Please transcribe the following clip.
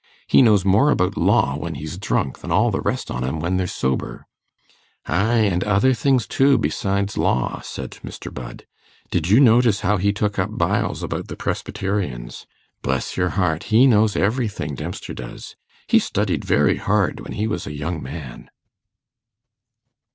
He knows more about law when he's drunk than all the rest on 'em when they're sober.' 'Ay, and other things too, besides law,' said Mr. Budd. 'Did you notice how he took up Byles about the Presbyterians? Bless your heart, he knows everything, Dempster does. He studied very hard when he was a young man.